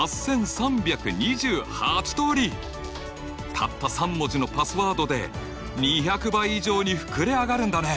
たった３文字のパスワードで２００倍以上に膨れ上がるんだね。